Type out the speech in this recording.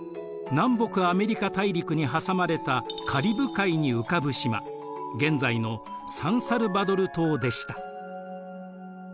南北アメリカ大陸に挟まれたカリブ海に浮かぶ島現在のサン・サルバドル島でした。